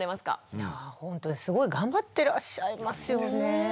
いやぁほんとにすごい頑張ってらっしゃいますよね。